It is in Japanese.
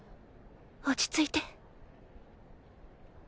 落ち着いて